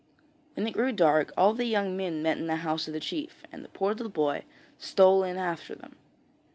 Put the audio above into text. When it grew dark, all the young men met in the house of the chief, and the poor little boy stole in after them.